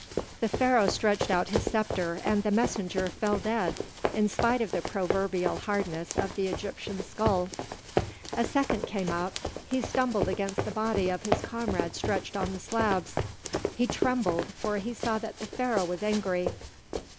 The Pharaoh stretched out his sceptre, and the messenger fell dead, in spite of the proverbial hardness of the Egyptian skull. A second came up; he stumbled against the body of his comrade stretched on the slabs; he trembled, for he saw that the Pharaoh was angry.